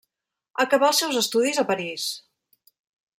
Acabà els seus estudis a París.